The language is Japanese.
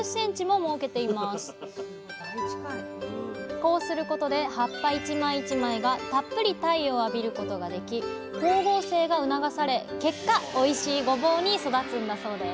こうすることで葉っぱ１枚１枚がたっぷり太陽を浴びることができ光合成が促され結果おいしいごぼうに育つんだそうです